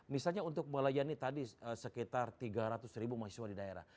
misalnya untuk melayani tadi sekitar tiga ratus ribu mahasiswa di daerah